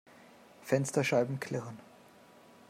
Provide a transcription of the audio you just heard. Fensterscheiben klirren.